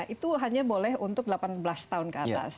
itu hanya boleh untuk delapan belas tahun ke atas